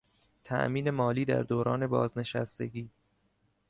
تامین مالی در دوران بازنشستگی